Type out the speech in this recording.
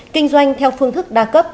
kinh doanh theo phương thức đa cấp